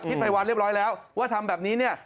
ภัยวันเรียบร้อยแล้วว่าทำแบบนี้เนี่ย